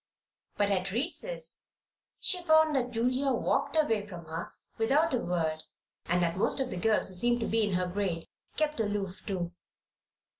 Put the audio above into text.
But at recess she found that Julia walked away from her without a word and that most of the girls who seemed to be in her grade kept aloof, too.